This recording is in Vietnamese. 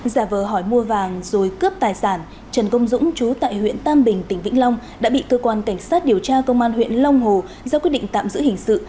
giả vờ hỏi mua vàng rồi cướp tài sản trần công dũng chú tại huyện tam bình tỉnh vĩnh long đã bị cơ quan cảnh sát điều tra công an huyện long hồ ra quyết định tạm giữ hình sự